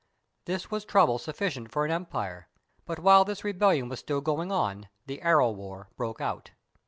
This was trouble sufl5cient for an empire; but while this rebellion was still going on, the "Arrow War" broke out.